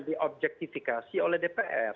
diobjektifikasi oleh dpr